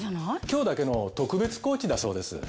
今日だけの特別コーチだそうです。